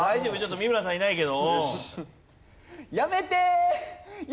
三村さんいないけど。